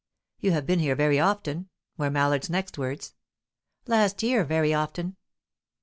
"You have been here very often?" were Mallard's next words. "Last year very often."